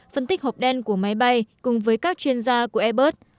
phân tích hộp đen của máy bay cùng với các chuyên gia của airbus